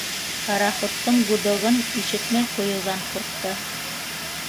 Пароходтың гудогын ишетмәй ҡуйыуҙан ҡурҡты.